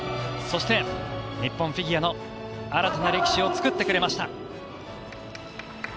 そして、日本フィギュアの新たな歴史を作ってくれました。